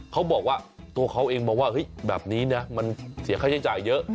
เขาบอกว่าตัวเขาเองมองว่าเฮ้ยแบบนี้นะมันเสียค่าใช้จ่ายเยอะ